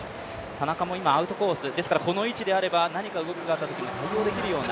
田中も今、アウトコース、この位置であれば何か動きがあったときに対応できるような。